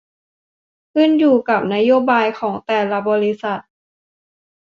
ขึ้นอยู่กับนโยบายของแต่ละบริษัท